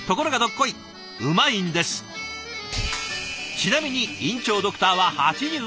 「ちなみに院長ドクターは８３歳。